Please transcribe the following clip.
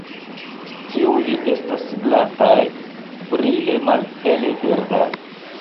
Tiuj estas glataj, brile malhele verdaj.